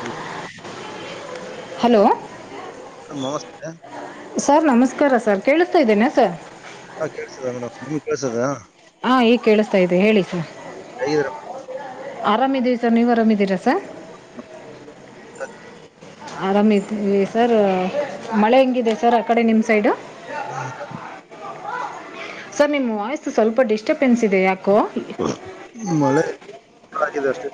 Hello. Hello. Madam ನಮಸ್ತೆ. Sir ನಮಸ್ಕಾರ sir ಕೇಳತಾ ಇದ್ದೇನೆ ಸ ಹಾ ಕೇಳ್ಸದ ಮೇಡ ನಿಮ ಕೇಸದಾ ಹಾ ಈಗ್ ಕೇಳಸ್ತಾ ಇದ್ದದೆ ಹೇಳಿಿಸ ಹೇಗಿದ್ದೀರಾ ಆರಾಮಿದೀವಿ ಸರ್ ನೀವು ಆರಾಮಿದ್ದೀರಾ ಸರ್ ಆರಾಮವಿ ಸರ್ ಮಳೆ ಹೆಂಗಿದೆ ಸರ್ ಆ ಕಡೆ ನಿಮ್ ಸೈಡ್ ಸರ್ ನಿಮ್ಮ್ ವಾಯ್ಸ ಸ್ವಲ್ಪ ಡಿಸ್ಟಬ್ ಪೆನ್ಸಿದೆ ಯಾಕೋ ಅಷ್ಟೆ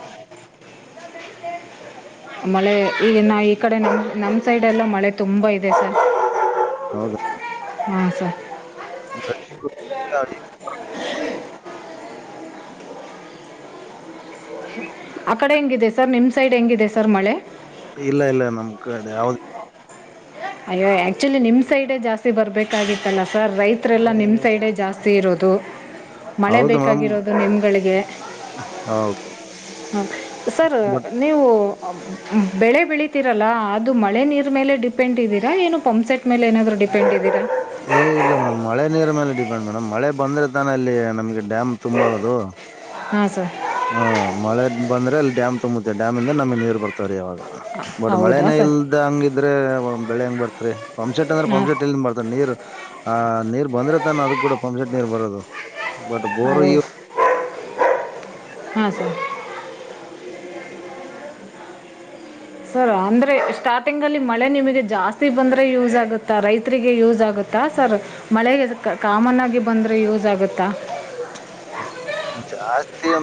ಮಳೆ ಈಗ ನಾವು ಈ ಕಡೆ ನಮ್ಮ ನಮ್ಮ ಸೈಡೆಲ್ಲೂ ಮಳೆ ತುಂಬ ಇದೆ ಸರ್ ಹೌದ ಹಾ ಸರಿ ಅ ಆ ಕಡೆ ಹೆೇಂಗಿದೆ ಸರ್ ನಿಮ್ಮ ಸೈಡ್ ಹೆೇಂಗಿದೆ ಸರ್ ಮಳೆ ಇಲ್ಲ ಇಲ್ಲ ನಮ್ ಕಡೆ ಯ್ದ ಅಯ್ಯೋ ಆಕ್ಚುಲಿ ನಿಮ್ ಸೈಡ್ ಜಾಸ್ತಿ ಬರ್ಬೇಕಾಗಿತ್ತು ತ್ತಲ್ಲ ಸರ್ ರೈತರೆಲ್ಲ ಏ, ನಿಮ್ಮ ಸೈಡೇ ಜಾಸ್ತಿ ಇರೋದು ಮಳೆ ಹೌದು ಬೇಕಾಗಿರೋದು ನಿಮಗಳಿಗೆ ಹೌ ಹ್ಮ ಸರ್ ನೀವು ಬೆಳೆ ಬೆಳೀತಿರಲ್ಲ ಅದು ಮಳೆ ನೀರ್ ಮೇಲೆ ಡಿ ಪೆಂಟ್ ಇದೀರ ಏನು ಪಂಪ್ಸೆಟ್ ಮೇ ನಾದ್ರೂ ಏ ಇಲ್ಲ ಮೇಡಮ್ ಮಳೆ ನೀರ ಮೇಲೆ ಡಿ ಮೇಡಮ್ ಮಳೆ ಬಂದ್ರೆ ತಾನ ಅಲ್ಲಿ ನಮ್ಗೆ ಡಾಮ್ ತುಂಬ ಹದು ಹಾ ಸರ್ ಹಾ ಮಳೆ ಬಂದ್ರೆ ಅಲ್ಲಿ ಡ್ಯಾಮ್ ತುಂಬುತ್ತೆ ಡ್ಯಾಮ್ಂದ ನಮಿ ನೀರ್ ಬರ್ತಾರೆ ಯಾವಾಗ ಬಟ್ ಹೌದಾ ಮಳೆನೇ ಸರ್ ಇಲ್ದ ಹಂಗಿದ್ರೆ ಬೆಳೆ ಹಂಗ್ ಬರ್ತ್ರಿ ಪಂಪ್ಸೆಟ್ ಅಂದ್ರೆ ಹಾಂ ಪಂಪ್ಸೆಟ್ ಎಲ್ಲಿ ಬರ್ತಾರೆ ನೀರ್ ಆ್ ನೀರ್ ಬಂದ್ರೆ ತಾನ ಅದಕ್ ಕೂಡ ಪಂಪ್ಸೆಟ್ ನೀರ್ ಬರೋದು ಬಟ್ ಬೋರ್ ಇ ಹಾ ಸರ್ ಸರ್ ಅಂದ್ರೆ ಸ್ಟಾರ್ಟಿಂಗ್ ಅಲ್ಲಿ ಮಳೆ ನಿಮಗೆ ಜಾಸ್ತಿ ಬಂದ್ರೆ ಯೂಸ್ ಆಗುತ್ತಾ ರೈತರಿಗೆ ಯೂಸ್ ಆಗುತ್ತೆ ಆಾ ಸರ್ ಮಳೆಗೆ ಕಾಮನ್ ಆಗಿ ಬಂದ್ರೆ ಯೂಸ್ ಆಗುತ್ತಾ ಜಾಸ್ತಿ ಒ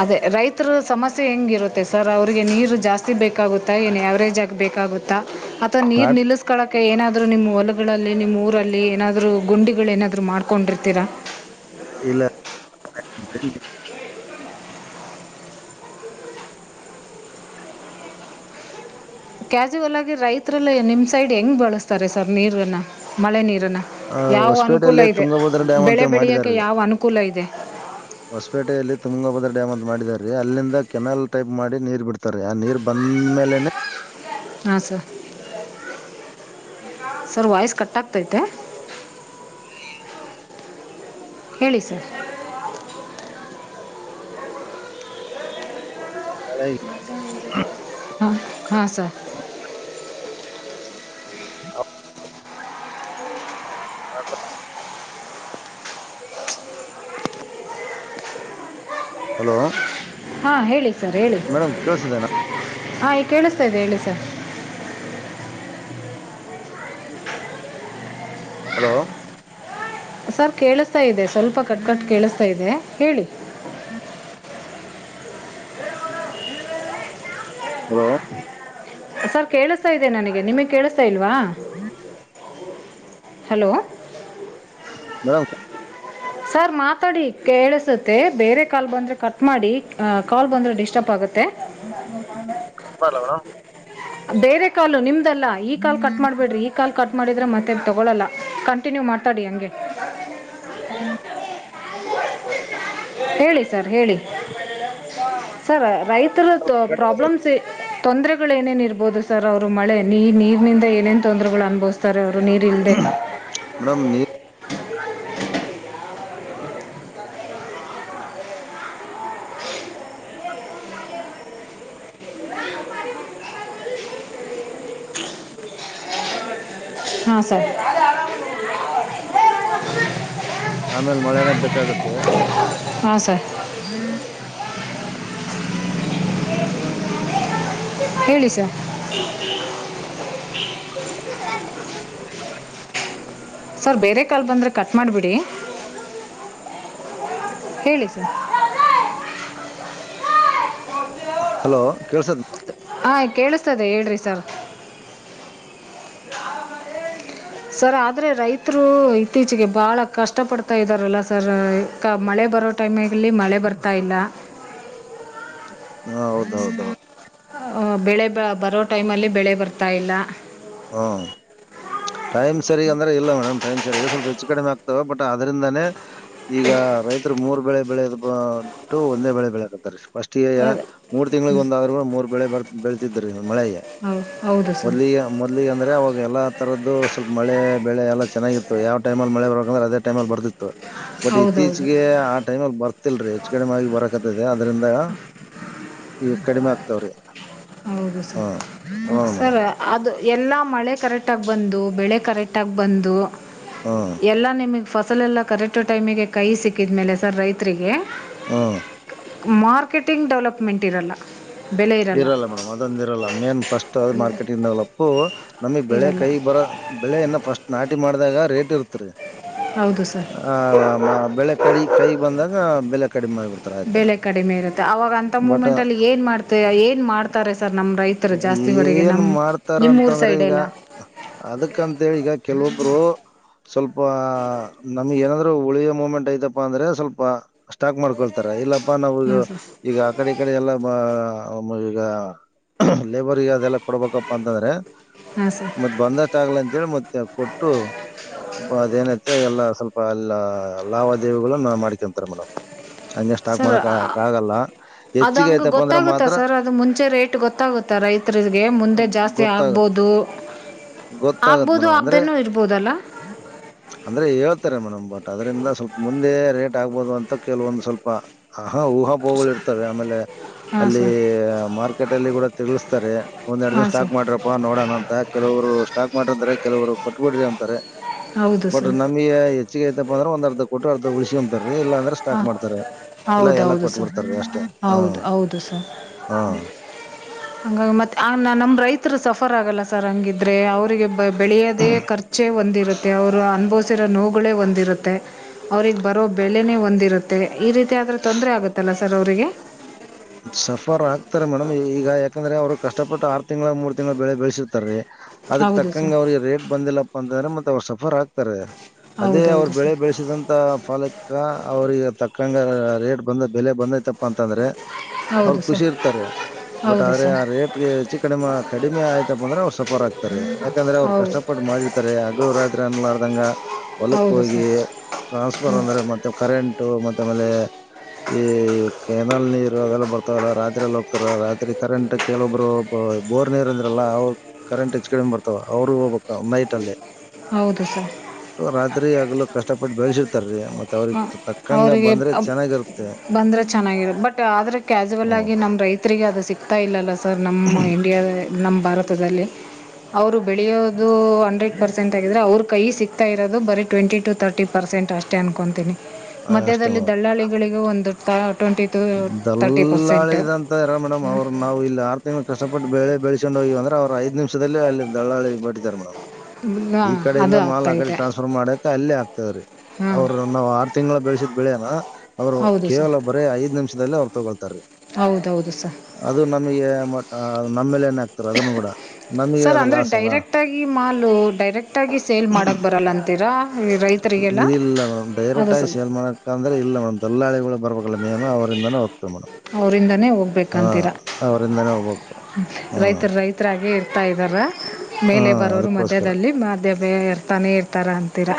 ಅದೇ ರೈತರ ಸಮಸ್ಯೆ ಹೆಂಗಿರುತ್ತೆ ಸರ್ ಅವ್ರಿಗೆ ನೀರು ಜಾಸ್ತಿ ಬೇಕಾಗುತ್ತಾ ಏನ ಯಾವರೇಜ್ ಆಗಬೇಕ ುತ್ತಾ ಅಥವಾ ನೀರ್ ಸ್ಟಾರ್ಟ್ ನಿಲ್ಲಿಸಕೊಳ್ಳಕ ಏನಾದ್ೂ ನಿಮ್ ಹೊಲ ಗಳಲ್ಲಿ ನಿಮ್ಮ ಊರಲ್ಲಿ ಏನಾದ್ೂ ಗುಂಡಿಗಳು ಏನಾದ್ರು ಮಾಡ್ಕೊಂಡಿರ್ತೀರಾ ಇಲ್ಲ ಕ್ಯಾಜುವಲ್ ಆಗಿ ರೈತರೆಲ್ಲ ನಿಮ್ ಸೈಡ್ ಹೆಂಗ್ ಬಳಸ್ತಾರೆ ಸರ್ ನೀರನ್ನ ಮಳೆ ನೀರು ಆ, ಯಾವ ಅನುಕೂಲ ಹೊಸಪೇಟೆಯಲ್ಲಿ ಇದೆ ತುಂಗಭದ್ರ ಡ್ಯಾಮ್ ಬೆಳೆ ಅಂತೇಳಿ ಬೆಳೆಯಕ್ಕೆ ಮಾಡಿದಾರೀ ಯಾವ ಅನುಕೂಲ ಇದೆ ಹೊಸಪೇಟೆಯಲ್ಲಿ ತುಮಂಗಭದ್ರ ಡ್ಯಾಮ್ ಅಂತ ಮಾಡಿದ ಅಲ್ಲಿಂದ ಕೆನಾಲ್ ಟೈಪ್ ಮಾಡಿ ನೀರ್ ಬಿಡ್ತಾರೆ ಆ ನೀರ್ ಬಂದ ಹ್ಮ ಮೇಲೆನೆ ಹಾ ಸರ್ ಸರ್ ವಾಯ್ಸ್ ಕಟ್ಗಗ್ತೈತೆ ಹ ಹೇಳಿ ಸರ್ ಹೊಳ ಹಾಂ ಹಾಂ ಸರ್ ಹ ಹ ಹಲೋ ಹಾ ಹೇಳಿ ಮೇಡಮ್ ಕೇೇಳಸಿದೆೇನೆ ಆ ಇಗ್ ಕೇಳಿಸ್ತಾಇದೆ ಹೇಳಿ ಸ [inaudible] ಹಲೋ ಸರ್ ಕೇಳಿಸ್ತಾ ಇದೆ ಸ್ವಲ್ಪ ಕಟ್ ಕಟ್ ಕೇಳಿಸ್ತಾ ಇದೆ. ಹೇಳಿ ಹಲೋ ಸರ್ ಕೇಳಿಸ್ತಾ ಇದೆ ನನಗೆ ನಿಮಗ್ ಕೇಳಿಸತಾ ಇಲ್ವಾ? ಹಲೋ ಮೇಡಂ ಸರ್ ಮಾತಾಡಿ ಕೇಳಸುತ್ತೆ ಬೇರೆ ಕಾಲ್ ಬಂದ್ರೆ ಕಟ್ ಮಾಡಿ ಕಾಲ್ ಬಂದ್ರೆ ಡಿಸ್ಟರ್ಬ್ ಆಗುತ್ತೆ [unintelligible] ಬೇರೆ ಕಾಲು ನಿಮ್ದಲ್ಲ ಈ ಕಾಲ್ ಕಟ್ ಮಾಡ್ಬಿಡ್ರಿ ಈ ಕಾಲ್ ಕಟ್ ಮಾಡಿದರೆ ಮತ್ತೆ ತೊಗೊಳಲ್ಲ ಕಂಟಿನ್ಯೂ ಮಾತಾಡಿ ಹಂಗೆ ಹೇಳಿ ಸರ್ ಹೇಳಿ ಸರ್ ರೈತರ ಪ್ರಾಬ್ಲಮ್ಸ್ ತೊಂದರೆಗಳು ಏನೇನು ಇರ್ ಬಹುದು ಸರ್ ಅವ್ರು ಮಳೆ ನೀ ನೀರ್ನಿಂದ ಏನೇನ್ ತೊಂದ್ರೆಗಳು ಅನ್ಭೋಸ್ತಾರೆ ಅ ನೀರಿಲ್ಲದೆ ಮೇಡಮ್ ನೀರ್ ಹಾ ಸರ್ ಆಮೇಲ್ ಮಳೆನೇ ಬೇಕಾಗುತ್ತೆ ಹಾ ಸರ್ [inaudible] [unintelligible] ಹೇಳಿ ಸ ಸರ್ ಬೇರೆ ಕಾಲು ಬಂದ್ರೆ ಕಟ್ ಮಾಡಿಬಿಡಿ. ಹೇಳಿ ಸರ್ ಹಲೋ ಕೇಳ್ಸ ಹಾಂ ಕೇಳಿಸ್ತದೆ ಹೇಳ್ರಿ ಸರ್ ಸರ್ ಆದ್ರೆ ರೈತರು ಇತ್ತೀಚೆಗೆ ಬಹಳ ಕಷ್ಟ ಪಡ್ತಾ ಇದ್ದಾರಲ್ಲ ಸರ್ ಕ ಮಳೆ ಬರೋ ಟೈಮ್ಮೆಲ್ಲಿ ಮಳೆ ಬರ್ತಾ ಇಲ್ಲ. ಹ ಹೌದೌದೌದ ಅ ಬೆಳೆ ಬರೋ ಟೈಮಲ್ಲಿ ಬೆಳೆ ಬರ್ತಾ ಇಲ್ಲ. ಹ ಟೈಮ್ ಸರಿ ಅಂದ್ರೆ ಇಲ್ಲ ಮೇಡಮ್ ಟೈಮ್ ಸರಿ ಸ್ವಲ್ಪ ಹೆಚ್ಚು ಕಡಿಮೆ ಆಗ್ತವ ಬಟ್ ಅದ್ರಿಂದಾನೇ ಈಗ ರೈತರು ಮೂರ್ ಬೆಳೆ ಬೆಳೆದ ಬಿಟ್ಟು ಒಂದೇ ಬೆಳೆ ಬೆಳೆಕತಾರ. ಫಸ್ಟ ಎಯ ಹೌದು ಮೂರ್ ತಿಂಗಳಿಗೋಂದಾದರು ಮೂರ್ ಬೆಳೆ ಬರ ಬೆಳತಿದ್ರಿ ಮಳೆಗೆ ಹೌದು- ಹೌದು ಸರ್ ಮೊದ್ಲಿಗೆ ಮೊದ್ಲಿಗೆ ಅಂದ್ರೆ ಅವಾಗ ಎಲ್ಲಾ ತರದ್ದ ಸ್ವಲ್ಪ ಮಳೆ ಬೆಳೆ ಎಲ್ಲ ಚೆನ್ನಾಗಿತ್ತು. ಯಾವಟೈಮಲ್ಲ ಮಳ ಬರಬೇಕ ಅಂದ್ರ ಅದೇ ಟೈಮಲ್ಲಿ ಬರ್ತಿ ಬಟ್ ಹೌದೌದು ಇತ್ತೀಚೆಗೆ ಆ ಟೈಮ್ ಅಲ್ಲಿ ಬರ್ತಿಲ್ರೀ. ಹೆಚ್ಚ ಕಡಿಮೆ ಆಗ ಬರಕತದೆ ಅದ್ರಿಂದ ಈಗ್ ಕಡಿಮೆ ಆಗ್ತವ್ರಿ. ಹೌದು ಸರ್ ಸರ್ ಅದು ಎಲ್ಲ ಮಳೆ ಕರೆಕ್ಟಾಗಿ ಬಂದು ಬೆಳೆ ಕರೆಕ್ಟಾಗಿ ಬಂದು ಹಾ ಎಲ್ಲ ನಿಮಗೆ ಫ ಅಸಲೆೆಲ್ಲ ಕರೆಕ್ಟ್ ಟೈಮಿಗೆ ಕೈ ಸಿಕ್ಕಿದ ಮೇಲೆ ಸರ್ ರೈತರಿಗೆ ಹಾ ಮಾರ್ಕೆಟಿಂಗ್ ಡೆವಲಪ್ಮೆಂಟ್ ಇರಲ್ಲ ಬೆಲೆ ಇರಲ್ಲ. ಅದೊಂದ ಇರಲ್ಲ ಮೇನ್ ಫಸ್ಟ್ ಅದು ಮತ್ತೆ ಮಾರ್ಕೆಟಿಂಗ್ ದೇವೆಲ್ಪ್ ನಮಗ್ ಬೆಳೆ ಇರಲ್ಲ ಕೈ ಬರ ಬೆಳೆ ಇನ್ನಾ ಫಸ್ಟ್ ನಾಟಿ ಮಾಡ್ದಾಗ ರೇಟ್ ಇರ್ತ್ರಿ ಹೌದು ಸರ್ ಆ ಮ ಬೆಳೆ ಕಡಿಗ ಕೈ ಬಂದಾಗ ಬೆಲೆ ಕಡಿಮೆ ಮಾಡಿಬಿಡ್ತಾರ ಆಯ್ತನ ಬೆಲೆ ಕಡಿಮೆ ಇರುತ್ತೆ ಅವಾಗ ಅಂತ ಬಟ್ ಮೂಮೆಂಟ್ ಅಲ್ಲಿ ಏನ್ ಮಾಡ್ ಮತ್ತೆ ಏನ್ ಮಾಡ್ತಾರೆ ಸರ್ ನಮ್ಮ್ ರೈತರು ಜಾಸ್ತಿವರೆಗೆ ಏನ್ ನಮ್ ನಿಮ್ಮಊರ್ ಸೈಡ್ ಎಲ್ಲ. ಅದಕ್ಕಂತ ಹೇಳಿ ಈಗ ಕೆಲವೊಬ್ರು ಸ್ವಲ್ಪ ನಮ್ಗೆ ಏನಾದ್ರು ಉಳಿಯ ಮೂಮೆಂಟ್ ಐತಪ್ಪ ಅಂದ್ರೆ ಸ್ವಲ್ಪ ಸ್ಟಾಕ್ ಮಾಡ್ಕೊಳ್ತಾರ ಇಲ್ಲ ಪ್ಪಾ ನಾವ್ ಹಾಂ ಸರ್ ಈಗ ಆ ಕಡೆ ಈ ಕಡೆ ಎಲ್ಲ ಅವ ಈಗ ಲೇಬರ್ಗ ಅದೆಲ್ಲ ಕೊಡ್ಬೇಕಪ್ಪ ಅಂತಂದ್ರೆ ಹಾಂ ಸರ್ ಮತ್ ಬಂದಷ್ಟ ಆಗ್ಲ ಅಂತೇಳಿ ಮತ್ತೆ ಕೊಟ್ಟು ಅದೇನೈತೆ ಎಲ್ಲಾ ಸ್ವಲ್ಪ ಎಲ್ಲಾ ಲಾವದೇವಿಗಳ ನಾ ಮಾಡ್ಕೊಂತಾರೆ ಮೇಡಮ್. ಹಂಗೆ ಸ್ಟಾಕ್ ಸರ್ ಮಾಡಕ್ಕ್ ಆಗಲ್ಲ ಅದು ಹೆಚ್ಚಿಗೆ ಹಂಗೆ ಆಯ್ತಪ್ಪ ಅಂದ್ರ ಗೊತ್ತಾಗುತ್ತಾ ಮಾತ್ರ ಸರ್ ಅದು ಮುಂಚೆ ರೇಟ್ ಗೊತ್ತಾಗುತ್ತಾ ರೈತರಿಗೆ ಮುಂದೆ ಜಾಸ್ತಿ ಗೊತ್ತಾಗತ್ತೆ ಆಗ್ಬೋದು ಗೊತ್ತಾಗತ್ ಆಗ್ಬೋದು ಮೇಡಮ್ ಅಂದ್ರೆ ಆಗ್ದೇನೂ ಇರ್ಬೋದಲ್ಲ. ಅಂದ್ರೆ ಹೇಳ್ತಾರೆ ಮೇಡಮ್ ಬಟ್ ಅದರಿಂದ ಸ್ವಲ್ಪ ಮುಂದೆ ರೇಟ್ ಆ ಆಗ್ಬಹದು ಅಂತ ಕೆಲವೊಂದು ಸ್ವಲ್ಪ ಆ ಹ ಊಹಾಪೋಗಳು ಇರ್ತವೆ ಆಮೇಲೆ ಹಾಂ ಅಲ್ಲಿ ಸರ್ ಮಾರ್ಕೆಟ್ ಅಲ್ಲಿ ಕೂಡ ತಿಳಿಸ್ತಾರೆ ಒಂದ್ ಎರಡು ದಿನನ ಹಾಂ ಸ್ಟಾಕ್ ಸರ್ ಮಾಡ್ರಪ್ಪಾ ನೋಡೋಣ ಅಂತ. ಕೆಲವರು ಸ್ಟಾಕ್ ಮಾಡಿ ಅಂತಾರೆ ಕೆಲವರು ಕೊಟ್ಬಿಡ್ರಿ ಅಂತಾರೆ ಹೌದು ಬಟ್ ಸರ್ ನಮ್ಗೆ ಹೆಚ್ಚಿಗೆ ಬಂದ್ರ ಒಂದಂದು ಅರ್ಧ ಕೊಟ್ಟ ಅರ್ಧ ಉಳಿಸಿಗ್ಯಂತ ಇಲ್ಲಾ ಅಂದ್ರೆ ಸ್ಟಾಕ್ ಹಾಂ ಮಾಡ್ತಾರೆ ಇಲ್ಲ ಎಲ್ಲ ಹೌದೌದು ಕೊಟ್ ಸರ್ ಬಿಡ್ತಾರೀ ಅಷ್ಟೇ ಹ. ಹಂಗಾಗ್ ಮತ್ತೆ ನಮ್ ರೈತರು ಸಫರ್ ಆಗಲ್ಲ ಸರ್ ಹಂಗಿದ್ರೆ ಅವರಿಗೆ ಬೆಳೆಯದೇ ಖರ್ಚೆ ಒಂದಿರುತ್ತೆ ಅವರು ಅನುಬೊಸ್ ನೋವುಗಳೇ ಒಂದಿರುತ್ತೆ ಅವ್ರಿಗ್ ಬರೋ ಬೆಲೆನೇ ಒಂದ್ ಇರುತ್ತೆ ಈ ರೀತಿ ಆದ್ರೂ ತೊಂದರೆ ಆಗುತ್ತಲ್ಲ ಸರ್ ಅವರಿಗೆ. [unintelligible] ಸಫರ್ ಆಗ್ತಾರೆ ಮೇಡಮ್ ಈಗ ಯಾಕಂದ್ರೆ ಅವ್ರು ಕಷ್ಟಪಟ್ಟು ಆರ್ ತಿಂಗಳ ಮೂರ್ ತಿಂಗ್ಳ ಬೆಳೆ ಬೆಳೆಸಿರುತ್ತಾರೆ. ಅದಕ್ ಹೌದು ತಕ್ಕಂಗ ಸರ್ ಅವ್ರಿಗೆ ರೇಟ್ ಬಂದಿಲ್ಲಪ್ಪ ಅಂತಂದ್ರೆ ಮತ್ತ್ ಅವರು ಸಫರ್ ಆಕ್ತಾರೆ. ಅದೇ ಅವ್ರ ಹೌದೌದು ಬೆಳೆ ಸರ್ ಬೆಳೆಸಿದಂತ ಫಲಕ್ಕ ಅವ್ರಿಗೆ ತಕ್ಕಂಗ ರೇಟ್ ಬಂದ ಬೆಲೆ ಬಂದೈತಪ್ಪ ಅಂತಂದ್ರೆ ಅವ್ರ್ ಹೌದು ಖುಷಿ ಸರ್ ಇರ್ತಾರೆ. ಬಟ್ ಹೌದು ಆದ್ರೆ ಸರ್ ಆ ರೇಟ್ ಗೆ ಹೆಚ್ಚು ಕಡಿಮ ಕಡಿಮೆ ಆಯ್ತಪ್ಪ ಅಂದ್ರೆ ಅವ್ರು ಸಫರ್ ಆಗ್ತಾರೆ ಯಾಕಂದ್ರೆ ಅವ್ರು ಹೌದು ಕಷ್ಟಪಟ್ಟ್ ಮಾಡಿರ್ತಾರೆ ಹಗಲು ರಾತ್ರಿ ಅನುಲಾರದಂಗ ಹೊಲಕ್ಕ್ ಹೌದು ಹೋಗಿ ಸರ್ ಟ್ರಾನ್ಸ್ಫರ್ ಹ್ಞೂ ಅಂದ್ರೆ ಮತ್ತೆ ಕರೆಂಟು ಮತ್ತ ಆಮೇಲೆ ಈ ಕೆನಲ್ ನೀರ್ ಅವೆಲ್ಲ ಬರ್ತಾವಲ್ಲ ರಾತ್ರಿ ಎಲ್ಲಿ ಹೋಗ್ತಾರ ರಾತ್ರಿ ಕರೆಂಟ್ ಕೆಲವೊಬ್ರು ಬೋರ್ ನೀರ್ ಅಂದ್ರಲ್ಲ ಅವ್ರು ಕರೆಂಟ್ ಹೆಚ್ ಕಡಿಮ ಬರ್ತಾವ ಅವ್ರು ಹೋಗ್ಬೇಕ ನೈಟ್ ಅಲ್ಲೇ. ಹೌದು ಸರ್. ಹಗಲು ಕಷ್ಟಪಟ್ಟು ಬೆಳೆಸಿರ್ತಾರ್ರಿ ಮತ್ತೆ ಹ ಅವ್ರಿಗೆ ತಕ್ಕಂಗ ಅವ್ರರಿಗೆ ಬಂದ್ರೆ ಅಬ್ ಚೆನ್ನಾಗಿರುತ್ತೆ ಬಂದ್ರೆ ಚನ್ ಚೆನಾಗಿರದ್ ಬಟ್ ಆದ್ರೆ ಕ್ಯಾಸುವಲ್ ಹ್ಮ್ ಆಗಿ ನಮ್ಮ್ ರೈತರಿಗೆ ಅದು ಸಿಕ್ತಾ ಇಲ್ಲಲ್ಲ ಸರ್ ನಮ್ಮ ಇಂಡಿಯಾದ ನಮ್ಮ್ ಭಾರತದಲ್ಲಿ ಅವ್ರು ಬೆಳೆಯೋದು ಹಂಡ್ರೆಡ್ ಪರ್ಸ ಸೆಂಟ್ ಆಗಿದ್ರೆ ಅವ್ರ್ ಕೈ ಸಿಕ್ತಾ ಇರೋದು ಬರೀ ಟ್ವೆಂಟಿ ಟು ಥರ್ಟಿ ಪರ್ಸೆಂಟ್ ಅಷ್ಟೇ ಅನ್ಕೊತೀನಿ. ಅಷ್ಟೇ ಮಧ್ಯದಲ್ಲಿ ಮೇಡಮ್ ದಲ್ಲಾಳಿಗಳಿಗೂ ಒಂದು ತಳ ದಲ್ಲಾಳಿದಂತ ಇರ ಮೇಡಮ್ ಅವ್ರು ನಾವು ಇಲ್ಲಿ ಆರ್ ತಿಂಗಳು ಕಷ್ಟಪಟ್ಟು ಬೆಳೆ ಬೆಳಸ್ಕೊಂಡು ಹೋಗಿವಿ ಅಂದ್ರೆ ಅವ್ರ್ ಐದ್ ನಿಮಿಷದಲ್ಲೆ ಅಲ್ಲಿ ದಳ್ಳಾಳಿ ಬಟ್ಟಿ ತಾರ ಮೇ ಈ ಕಡೆಯಿಂದ ಅದು ಮಾಲ್ ಆಗ್ತಾ ಆ ಕಡೆ ಇದೆ ಟ್ರಾನ್ಸ್ಫರ್ ಮಾಡಕ ಅಲ್ಲೇ ಆಗ್ತೇವ್ರಿ. ಹಾಂ ಅವ್ರು ನಾವ್ ಆರ್ ತಿಂಗ್ಳ್ ಬೆಳೆಸಿದ್ ಬೆಳೆಯನಾ ಅವ್ರು ಹೌದು ಸರ್ ಕೇವಲ ಬರೇ ಐದ್ ನಿಮಿಷದಲ್ಲಿ ಅವ್ ತಗೊತಾರೆ ಹೌದೌದು ಸರ್ ಅದು ನಮಗೆ ಮತ್ ನಮ್ಮೇಲೆ ಸರ್ ಅಂದ್ರೆ ಅಲ್ಲ ಡೈರೆಕ್ಟ್ ಆಗಿ ಮಾಲ್ ಡೈರೆಕ್ಟ್ ಟ್ಟಾಗಿ ಸೇಲ್ ಮಾಡಕ್ ಬರಲ್ಲ ಅಂತೀರಾ ಈ ರೈತರಿಗೆಲ್ಲ ಇಲ್ಲ ಮೇಡಮ್ ಅದು ಡೈರೆಕ್ಟ್ ಸ ಆಗಿ ಸೇಲ್ ಮಾಡಕ್ ಅಂದ್ರೆ ಇಲ್ಲ ಮೇಡಮ್ ದಲ್ಲಾಳಿಗಳು ಬರಬೇಕಲ್ಲ ಮೇನು ಅವರಿಂದನು ಅವ್ರಿಂದಾನೇ ಹೋಗ್ಬೇಕಂತೀರ ಅವರಿಂದಾನೇ ಹೋಗ್ಬೇಕು ಹ್ಮ್ ರೈತರ್ ರೈತರಾಗೆ ತೈದ್ದಾರಾ ಹಾ ಮೇಲೆ ಬರೋರು ಅದಕ್ಕೋಸ್ಕರ ಮಧ್ಯದಲ್ಲಿ ಮಾಧ್ಯವೇ ಇರ್ತಾನೇ ಇರ್ತಾರ ಅಂತೀರ.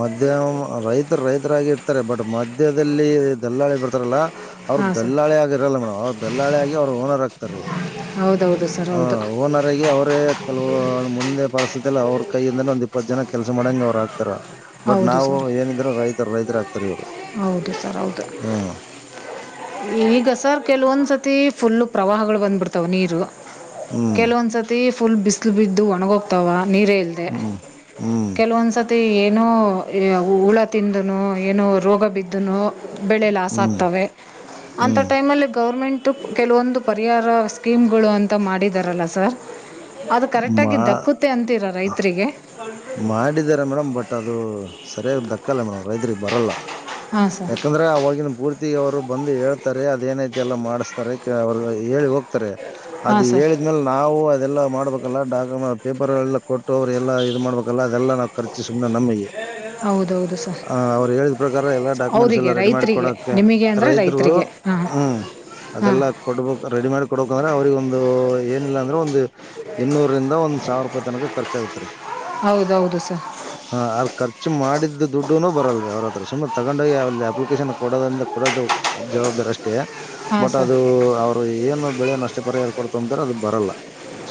ಮಧ್ಯ ರೈತ ರೈತರಾಗಿ ಇರ್ತಾರೆ ಬಟ್ ಮಧ್ಯದಲ್ಲಿ ದಲ್ಲಾಳಿ ಬರ್ತಾರಲ್ಲ ಅವ್ರ್ ಹಾಂ ಸರ್ ದಲ್ಲಾಳಿ ಆಗಿರಲ್ಲ ಮೇಡಮ್ ಅವ್ರ್ ದಲ್ಲಾಳಿ ಆಗೇ ಅವರು ಓನರ್ ಆಗ್ತಾರೆ ಹೌದೌದು ಸರ್ ಹಾ ಹೌದು ಓನರ್ ಆಗಿ ಅವರೇ ಕೆಲವು ಒ ಮುಂದೆ ಪರಿಸ್ಥಿತಿ ಇಲ್ಲ ಅವ್ರ ಕೈಯಿಂದನೂ ಒಂದ ಇಪ್ಪತ್ತ ಜನ ಕೆಲ್ಸ ಮಾಡಂಗ ಅವ್ರ ಆಗ್ತಾರ. ಬಟ್ ಹೌದು ನಾವು ಸರ್ ಏನಿದ್ರ ರೈತರ ರೈತರ ಆಗ್ತಾರ ಇವ್ರ ಹೌದು ಸರ್ ಹೌದು ಹ್ಮ. ಈಗ ಸರ್ ಕೆಲ ಒಂದ್ಸತಿ. ಫುಲ್ಲು ಪ್ರವಾಹಗಳು ಬಂದ್ಬಿಡ್ತಾವ ನೀರು ಹ್ಮ್ ಕೆಲವೊಂದ್ಸತಿ ಫುಲ್ ಬಿಸಿಲ ಬಿದ್ದು ಒಣಗ ಹೋಗ್ತಾವ ನೀರೇ ಇಲ್ಲದೆ ಹ್ಮ್ ಹ್ಮ್ ಕೆಲವೊಂದ್ಸತಿ ಏನೋ ಹುಳ ತಿಂದನೋ ಏನೋ ರೋಗ ಬಿದ್ದನು. ಬೆಳೆ ಲಾಸ್ ಹ್ಮ್ ಆಗ್ತವೆ ಅಂತ ಹ್ಮ್ ಟೈಮಲ್ಲಿ ಗೌರ್ಮೆಂಟ್. ಟ ಕೆಲವೊಂದು ಪರಿಹಾರ ಸ್ಕೀಮ್ಗಳು ಅಂತ ಮಾಡಿದಾರಲ್ಲ ಸರ್. ಅದ ಕರೆಕ್ಟ ಆಗ ದಕ್ಕುತ್ತೆ ಅಂತೀರಾ ರೈತ್ರಿಗೆ. ಮಾಡಿದ್ದಾರೆ ಮೇಡಮ್ ಬಟ್ ಅದು ಸರಿಯಾಗಿ ದಕ್ಕಲ್ಲ ಮೇಡಮ್ ರೈತರಿಗ ಬರಲ್ಲ. ಹಾಂ ಸರ್ ಯಾಕಂದ್ರ ಅವಗಿನ ಪೂರ್ತಿ ಅವರು ಬಂದ ಹೇಳ್ತಾರೆ ಅದೇನ ಐತಿ ಎಲ್ಲ ಮಾಡಸ್ತಾರೆ ಅವರ ಹೇಳಿ ಹೋಗ್ತಾರೆ. ಅದ ಹಾಂ ಸರ್ ಹೇಳಿದ್ಮೇಲೆ ನಾವು ಅದೆಲ್ಲ ಮಾಡ್ಬೇಕ. ಎಲ್ಲ ಡಾಕ್ಯು ಪೇಪರ್ ಎಲ್ಲ ಕೊಟ್ಟ ಅವ್ರು ಎಲ್ಲ ಇದ ಮಾಡ್ಬೇಕಲ್ಲ ಅದೆಲ್ಲ ನಾವು ಖರ್ಚ ಸುನೆ ನಮ್ಮಿಗೆ ಹೌದೌದು ಸರ್ ಆ ಅವ್ರ ಹೇಳಿದ್ ಪ್ರಕಾರ ಎಲ್ಲಾ ಡಾಕ್ಯುಮೆಂಟ್ಸ್ ಎಲ್ಲ ಅವರಿಗೆ ರೆಡಿ ಮಾಡಿ ರೈತರಿಗೆ ಕೊಡಕ್ಕೆ ನಿಮಗೆ ಅಂದರೆ ರೈತರು ರೈತರಿಗೆ ಹಾಂ ಹ್ಮ ಹಾಂ ಅದೆಲ್ಲಾ ಕೊಡ್ಬೇಕ್ ರೆಡಿ ಮಾಡಿ ಕೊಡ್ಬೇಕ ಅಂದ್ರ ಅವ್ರಗ ಒಂದು ಏನಿಲ್ಲ ಅಂದ್ರ ಒಂದು ಎನ್ನೂರಿಂದ ಒಂದ್ ಸಾವಿರ ರೂಪಾಯಿ ತನಕ ಖರ್ಚಾಗತ್ರಿ. ಹೌದೌದು ಸರ್ ಹ ಆ ಖರ್ಚು ಮಾಡಿದ ಇದು ದುಡ್ಡನು ಬರಲ್ಲರಿ ಅವ್ರ ಹತ್ರ ಸುಮನ ತಗೊಂಡೋಗಿ ಅಲ್ಲಿ ಅಪ್ಲಿಕೇಶನ್ ಕೊಡೋದ್ರಿಂದ ಕೊಡದು ಜವಾಬ್ದಾರಿ ಅಷ್ ಟೇ ಹಾಂ ಬಟ್ ಸರ್ ಅದು ಅವ್ರು ಏನು ಬೆಳೆಯನ ಅಷ್ಟೇ ಪರಿಹಾರ ಕೊಡ್ತ ಅಂತ್ರ ಅದ ಬರಲ್ಲ.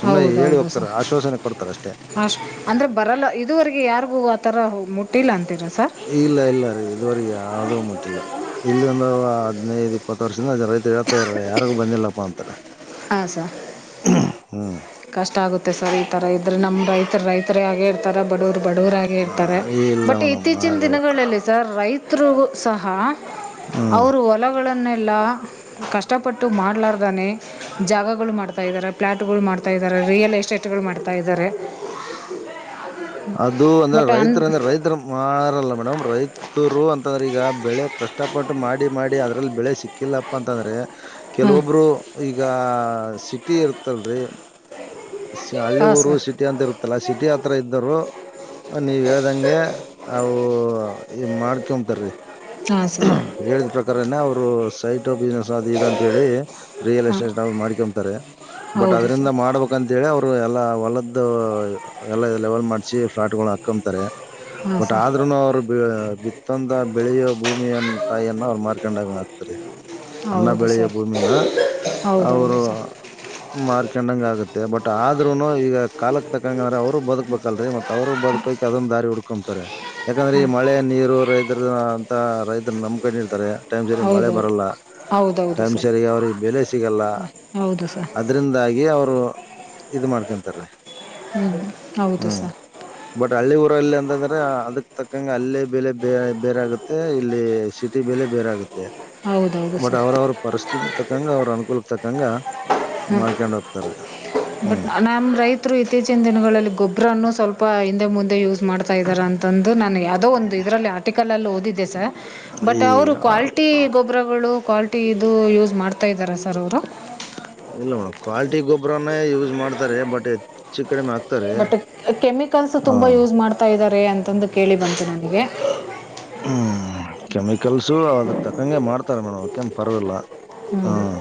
ಸುಮ್ಮನೆ ಹೇಳಿ ಹೌದೌದು ಹೋಗ್ತಾರೇ ಸರ್ ಆಶ್ವಾಸನೆ ಕೊಡ್ತಾರ ಅಷ್ಟೆ. ಅಷ್ಟು ಅಂದರೆ ಬರಲ್ಲ ಇದುವರೆಗ ಯಾರಿಗೂ ಆತರ ಮುಟ್ಟಿಲ್ಲ ಅಂತಿರ. ಎ ಇಲ್ಲ ಇಲ್ಲ ರೀ ಇದುವರಿ ಯಾವ್ದು ಮಟ್ಟಿಲ್ಲ. ಇಲ್ಲಿ ಒಂದ ಹದನೈದ ಇಪ್ಪತ್ತ ವರ್ಷದಿಂದ ರೈತರ ಹೇಳ್ತಾದರ ಯಾರಿಗು ಬಂದಿಲ್ಲಪ್ಪಾ ಅಂತಾ. ಹಾ ಸರ್ ಕಷ್ಟ ಆಗುತ್ತೆ ಸರ್ ಈ ತರ ಇದ್ರೆ ನಂಬ ರೈತರ ಹಾಗೆ ಇರ್ತಾರ ಬಡವರ ಬಡವರ ಆಗೆ ಇರ್ತಾರೆ ಇಲ್ಲ ಬಟ್ ಮೇಡಮ್ ಇತ್ತೀಚಿನ ಆಗಲ್ಲ ದಿನಗಳಲ್ಲಿ ಸರ್ ರೈ ತ್ರು ಸಹ ಹ್ಮ್ ಅವರ ಒಲಗಳನ್ನ ಎಲ್ಲ ಕಷ್ಟಪಟ್ಟು ಮಾಡಲಾರ್ದಾನೆ. ಜಾಗಗಳು ಮಾಡ್ತಾ ಇದಾರೆ ಫ್ಲ್ಯಾಟ್ಗಳು ಮಾಡ್ತಾ ಇದ್ದಾರ ರಿಯಲ್ ಎಸ್ಟೇಟ್ಗಳು ಮಾಡ್ತಾ ಇದಾರೆ. ಅದು ಅಂದ್ರ ಅನ್ ರೈತ ಅಂದ್ರ ರೈತ ಮಾರಲ್ಲ ಮೇಡಮ್ ರೈತ್ ತುರು ಅಂತಂದ್ರ ಈಗ ಬೆಳೆ ಕಷ್ಟಪಟ್ಟು ಮಾಡಿ ಮಾಡಿ ಅದ್ರಲ್ಲಿ ಬೆಳೆ ಸಿಕ್ಕಿಲ್ಲಪ್ಪ ಅಂತಂದ್ರೆ ಹಾಂ ಕೆಲವೊಬ್ರು ಈಗ ಸಿಟಿ ಇರ್ತಲ್ರಿ. ಹಳ್ಳಿ ಹಾಂ ಊರು ಸರ್ ಸಿಟಿ ಅಂತ ಇರತ್ತಲ್ಲ ಸಿಟಿ ಆ ತರ ಇದ್ದ್ರು ನೀವ ಹೇಳ್ದಂಗೆ ಅವು ಈ ಮಾಡ್ಕೊತರಿ. ಹಾಂ ಸರ್ ಹೇಳಿದ್ ಪ್ರಕಾರನೇ ಅವರು ಸೈಟ್ ಬಿಸ್ನಸ್ ಅದು ಇ ಅಂತ ಹೇಳಿ. ರಿಯಲ್ ಹಾಂ ಎಸ್ಟೇಷ ನ ಮಾಡ್ಕೊಂತಾರೆ ಬಟ್ ಹೌದು ಅದರಿಂದ ಸರ್ ಮಾಡ್ಬೇಕಂತೇಳಿ ಅವರ ಎಲ್ಲಾ ಹೊಲದ ದ ಎಲ್ಲ ಲೆವೆಲ್ ಮಾಡಸಿ ಫ್ಲಾಟ್ ಗಳನ ಹಾಕೊತಾರೆ. ಹಾಂ ಬಟ್ ಸರ್ ಆದ್ರೂನು ಅವರ ಬಿ ಬಿತ್ತಂದ ಬೆಳೆಯ ಭೂಮಿಯನ ತಾಯಿನ್ನ ಅವ್ರ ಮಾರ್ಕೊಂಡಾಗ ಆತ್ರಿ. ಅನ್ನ ಹೌದು ಬೆಳೆಯ ಸರ್ ಭೂಮಿನ ಹೌದೌದು ಅವರು ಸರ್ ಮಾರ್ಕೊಂಡಂಗ ಆಗತ್ತೆ ಬಟ್. ಆದ್ರೂನು ಈಗ ಕಾಲಕ್ ತಕಂಗ ಅಂದ್ರ ಅವರು ಬದುಕ್ಬೇಕಲ್ರೀ ಮತ್ ಅವರು ಬದುಕೋಕ್ ಅದನ್ನ ದಾರಿ ಹಡ್ಕೊ ತ ಯಾಕಂದ್ರ ಈ ಹಾಂ ಮಳೆ ನೀರು ರೈತರ ಅಂತ ರೈತರ ನಂಬಕೊಂಡ ಇರ್ತಾರೆ. ಟೈಮ್ ಸರಿ ಮಳೆ ಹೌದೌದು ಬರಲ್ಲ ಹೌದೌದು ಟೈಮ್ ಸರ್ ಸರಿ ಅವ್ರಿಗ ಬೆಲೆ ಸಿಗಲ್ಲ. ಹೌದು ಸರ್ ಅದ್ರಿಂದಾಗಿ ಅವ್ರು ಇದ ಮಾಡ್ಕೊ ತಾರಿ ಹ್ಞೂ ಹೌದು ಹ್ಮ ಸರ್ ಬಟ್ ಹಳ್ಳಿ ಊರಲ್ಲಿ ಅಂತಂದ್ರ ಅದಕ್ ತಕ್ಕಂಗ ಅಲ್ಲೇ ಬೆಲೆ ಬೇ ಬೇರೆ ಆಗತ್ತೆ ಇಲ್ಲಿ ಸಿಟಿ ಬೆಲೆ ಬೇರೆ ಆಗ ತ್ತೆ ಹೌದೌದು ಬಟ್ ಸರ್ ಅವ್ರ ಅವ್ರ ಪರಿಸ್ಥಿತಿ ತಕ್ಕಂಗ ಅವ್ರ ಅನುಕೂಲ ತಕ್ಕಂಗ ಹ್ಮ ಮಾಡ್ಕೊಂಡ್ ಹೋಗ್ತಾರೆ ಬಟ್ ಹ್ಮ್ ನಮ್ಮ ರೈತರ ಇತ್ತೀಚಿನ ದಿನಗಳಲ್ಲಿ ಗೊಬ್ಬರನ್ನು ಸ್ವಲ್ಪ ಹಿಂದೆ ಮುಂದೆ ಯೂಸ್ ಮಾಡ್ತಾ ಇದ್ದಾರ ನ ಅಂದು ನಾನು ಯಾವದೋ ಒಂದು ಇದರಲ್ಲಿ ಆರ್ಟಿಕಲ್ ಅಲ್ಲಿ ಓದಿದ್ದೆ ಸ ಈ ಬಟ್ ಅವರು ಕ್ವಾಲಿ ಗೊಬ್ಬರಗಳು ಕ್ವಾಲಿಟಿ ಇದು ಯೂಸ್ ಮಾಡ್ತಾ ಇದ್ದಾರೆ ಸರ್ ಅವರು. ಇಲ್ಲ ಮೇಡಮ್ ಕ್ವಾಲ್ಟಿ ಗೊಬ್ಬರನೇ ಯೂಸ್ ಮಾಡ್ತಾರೆ. ಬಟ್ ಚಿ ಬಟ್ ಕೆಮಿಕಲ್ಸ್ ಹ ತುಂಬಾ ಯೂಸ್ ಮಾಡ್ತಾ ಇದಾರೆ. ಅಂತಂದು ಕೇಳಿ ಬಂತು ನನಗೆ ಹ್ಮ್ [unintelligible] ಕೆಮಿಕಲ್ಸು ಅದಕ್ ತಕ್ಕಂಗೆ ಮಾಡ್ತಾರೆ ಮೇಡಮ್ ಅದಕನ್ ಪರವಾಗಿಲ್ಲ. ಹ್ಞೂ ಹ್ಮ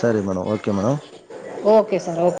ಸರಿ madam, okay madam okay sir, okay-